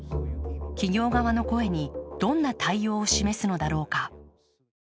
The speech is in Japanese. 企業側の声に、どんな対応を示すのだろうか。